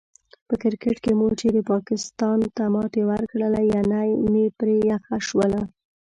په کرکیټ کې مو چې پاکستان ته ماتې ورکړله، ینه مې پرې یخه شوله.